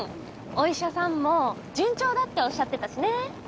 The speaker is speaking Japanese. お医者さんも順調だっておっしゃってたしね。